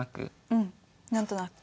うん何となく。